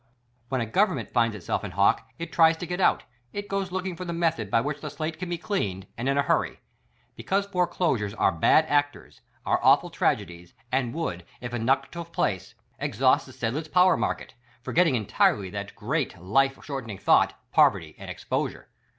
When a Government finds itself in hock it tries to get out ; it goes looking for the method by which the slate can be cleaned, and in a hurry! Because foreclosures are bad actors, are awful tragedies, and would, if enough took 36 SPY PROOF AMERICA place, exhaust the scidhtz powdter market, forgetting entirely that great, life shortening thought, poverty and exposure.